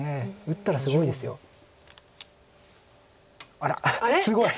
あらすごい！